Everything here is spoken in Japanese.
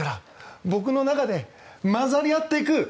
僕の中で混ざり合っていく。